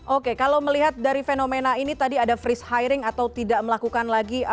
oke kalau melihat dari fenomena ini tadi ada freez hiring atau tidak melakukan lagi